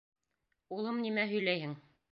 Улым, нимә һөйләйһең?